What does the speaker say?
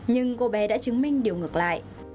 nhưng cô bé đã chứng minh điều ngược lại